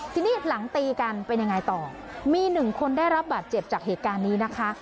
ทีนี้หลังตีกันเป็นยังไงต่อมีหนึ่งคนได้รับบาดเจ็บจากเหตุการณ์นี้นะคะ